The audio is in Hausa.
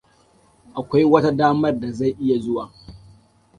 Akwai wata damar da zai iya zuwa?